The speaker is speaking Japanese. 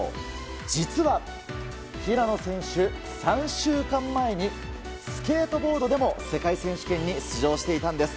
実は平野選手、３週間前にスケートボードでも世界選手権に出場していたんです。